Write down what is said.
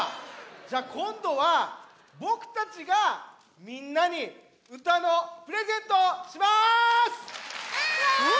じゃあこんどはぼくたちがみんなにうたのプレゼントします！わ！